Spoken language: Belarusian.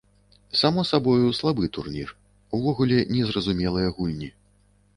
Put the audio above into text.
Сам сабою слабы турнір, увогуле не зразумелыя гульні.